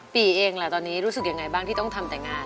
ปีเองล่ะตอนนี้รู้สึกยังไงบ้างที่ต้องทำแต่งาน